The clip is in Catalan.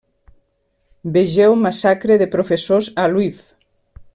Vegeu Massacre de professors a Lviv.